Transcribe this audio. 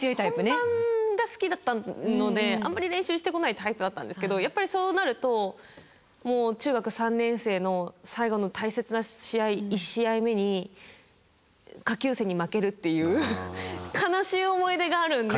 本番が好きだったのであんまり練習してこないタイプだったんですけどやっぱりそうなると中学３年生の最後の大切な試合１試合目に下級生に負けるっていう悲しい思い出があるんで。